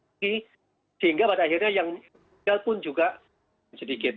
dan jumlah pasien yang sehat semakin tinggi sehingga pada akhirnya yang tinggal pun juga sedikit